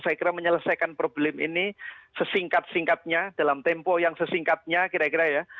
saya kira menyelesaikan problem ini sesingkat singkatnya dalam tempo yang sesingkatnya kira kira ya